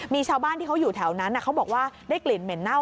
มีชาวบ้านที่เขาอยู่แถวนั้นเขาบอกว่าได้กลิ่นเหม็นเน่า